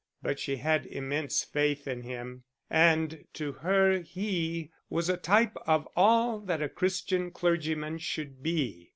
But she had immense faith in him, and to her he was a type of all that a Christian clergyman should be.